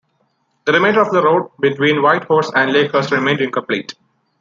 The remainder of the route between White Horse and Lakehurst remained incomplete.